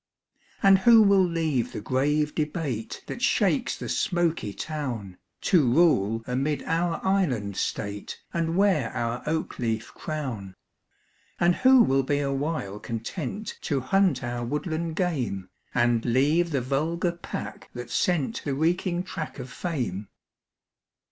And who will leave the grave debate That shakes the smoky town, To rule amid our island state, And wear our oak leaf crown? And who will be awhile content To hunt our woodland game, And leave the vulgar pack that scent The reeking track of fame?